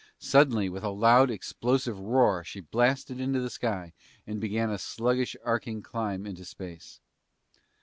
Suddenly, with a loud explosive roar, she blasted into the sky and began a sluggish arching climb into space.